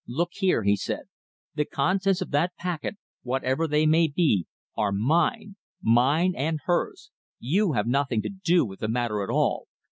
"Look here," he said, "the contents of that packet, whatever they may be, are mine mine and hers! You have nothing to do with the matter at all.